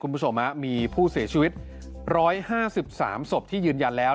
คุณผู้ชมมีผู้เสียชีวิต๑๕๓ศพที่ยืนยันแล้ว